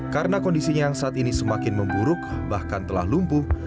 karena kondisinya yang saat ini semakin memburuk bahkan telah lumpuh